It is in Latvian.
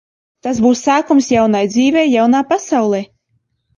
Tas būs sākums jaunai dzīvei jaunā pasaulē.